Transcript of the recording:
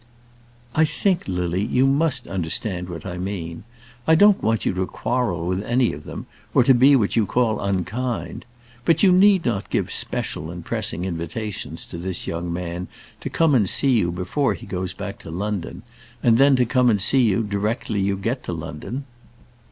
"I think, Lily, you must understand what I mean. I don't want you to quarrel with any of them, or to be what you call unkind. But you need not give special and pressing invitations to this young man to come and see you before he goes back to London, and then to come and see you directly you get to London.